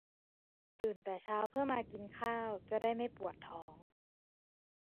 ตื่นแต่เช้าเพื่อมากินข้าว จะได้ไม่ปวดท้อง